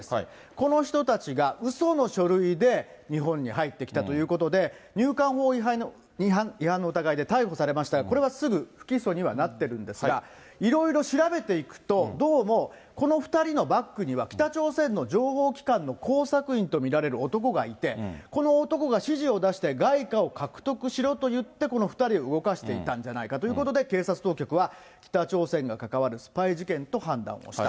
この人たちが、うその書類で日本に入ってきたということで、入管法違反の疑いで逮捕されましたが、これはすぐに不起訴にはなっているんですが、いろいろ調べていくと、どうもこの２人のバックには北朝鮮の情報機関の工作員と見られる男がいて、この男が指示を出して外貨を獲得しろと言ってこの２人を動かしていたんじゃないかということで、警察当局は北朝鮮が関わるスパイ事件と判断をした。